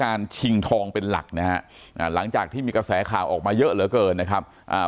อ่าหลังจากที่มีกระแสข่าวออกมาเยอะเหลือเกินนะครับอ่า